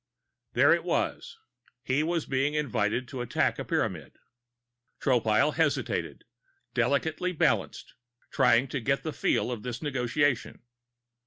There it was. He was being invited to attack a Pyramid. Tropile hesitated, delicately balanced, trying to get the feel of this negotiation.